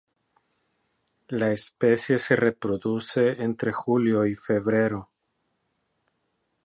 La especie se reproduce entre julio y febrero.